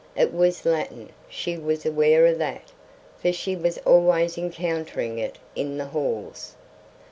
It was Latin; she was aware of that, for she was always encountering it in the halls.